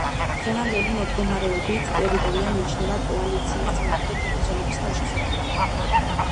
დრევანდელი მდგომარეობით ტერიტორია მიიჩნევა კოალიციის წინააღმდეგ მებრძოლების თავშესაფრად.